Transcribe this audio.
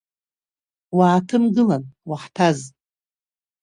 Уааҭымгылан, уаҳҭаз!